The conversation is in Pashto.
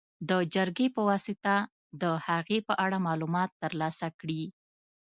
د جرګې په واسطه د هغې په اړه معلومات تر لاسه کړي.